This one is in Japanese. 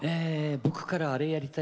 僕からあれをやりたい